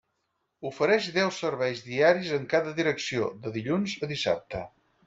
Ofereix deu serveis diaris en cada direcció, de dilluns a dissabte.